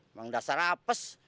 emang dasar apes